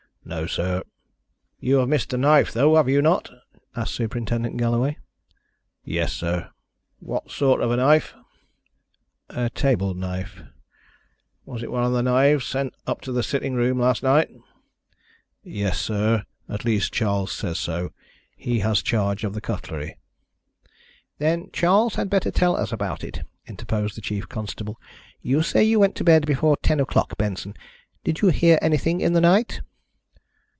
"No, sir." "You have missed a knife though, have you not?" asked Superintendent Galloway. "Yes, sir." "What sort of a knife?" "A table knife." "Was it one of the knives sent up to the sitting room last night?" "Yes, sir. At least Charles says so. He has charge of the cutlery." "Then Charles had better tell us about it," interposed the chief constable. "You say you went to bed before ten o'clock, Benson. Did you hear anything in the night?"